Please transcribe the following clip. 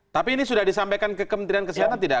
tapi ini sudah disampaikan ke kementerian kesehatan tidak